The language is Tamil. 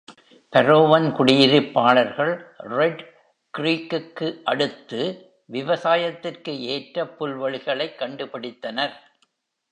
பரோவன் குடியிருப்பாளர்கள் ரெட் க்ரீக்கிற்கு அடுத்து விவசாயத்திற்கு ஏற்ற புல்வெளிகளைக் கண்டுபிடித்தனர்.